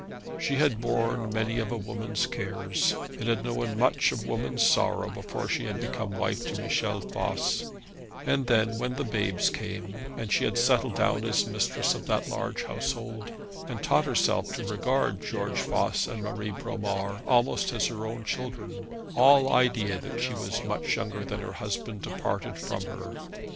She had borne many of a woman's cares, and had known much of woman's sorrows before she had become wife to Michel Voss; and then when the babes came, and she had settled down as mistress of that large household, and taught herself to regard George Voss and Marie Bromar almost as her own children, all idea that she was much younger than her husband departed from her.